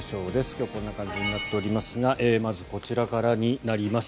今日はこんな感じになっておりますがまずこちらからになります。